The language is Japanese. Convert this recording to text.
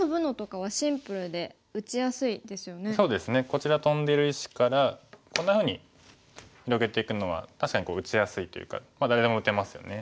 こちらトンでる石からこんなふうに広げていくのは確かに打ちやすいというか誰でも打てますよね。